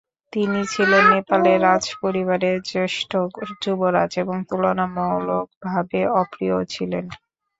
তিনি ছিলেন নেপালের রাজপরিবারের জ্যেষ্ঠ যুবরাজ এবং তুলনামূলকভাবে অপ্রিয় ছিলেন।